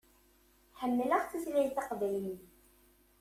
Ḥemmleɣ tutlayt taqbaylit.